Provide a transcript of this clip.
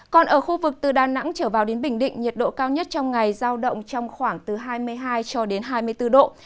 còn ở khu vực từ đà nẵng trở vào đến bình định nhiệt độ cao nhất trong ngày giao động trong khoảng từ hai mươi hai cho đến hai mươi bốn độ